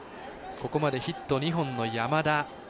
ここまでヒット２本の山田。